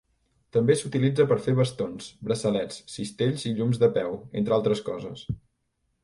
També s'utilitza per fer bastons, braçalets, cistells i llums de peu, entre altres coses.